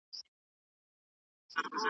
زه هره ورځ لوښي وچوم!!